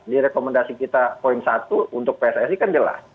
di rekomendasi kita poin satu untuk pssi kan jelas